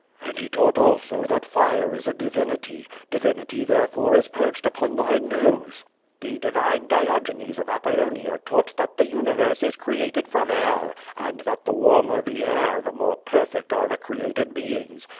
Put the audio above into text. "And he taught also that fire is a divinity; divinity there fore is perched upon thy nose." ^The divine Diogenes of ApoUonia taught that the uni no QUO VADI8. verse is created from air, and that the warmer the air, the more perfect are the created beings.